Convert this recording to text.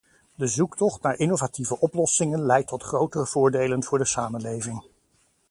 De zoektocht naar innovatieve oplossingen leidt tot grotere voordelen voor de samenleving.